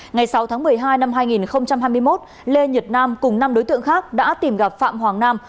ngày sáu tháng một mươi hai năm hai nghìn hai mươi một lê nhật nam cùng năm đối tượng khác đã tìm gặp phạm hoàng nam